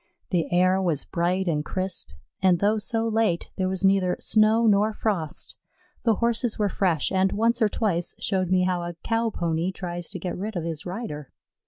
The air was bright and crisp, and though so late, there was neither snow nor frost. The Horses were fresh, and once or twice showed me how a Cow pony tries to get rid of his rider.